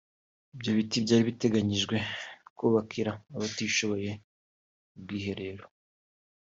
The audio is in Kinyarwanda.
Ibyo biti byari biteganyirijwe kubakira abatishoboye ubwiherero